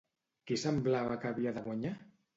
Qui semblava que havia de guanyar?